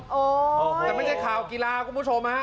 โอ้โหแต่ไม่ใช่ข่าวกีฬาคุณผู้ชมฮะ